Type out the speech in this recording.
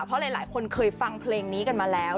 เพราะหลายคนเคยฟังเพลงนี้กันมาแล้ว